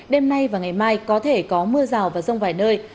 đêm nay và ngày mai có thể có mưa rào và rông vài nơi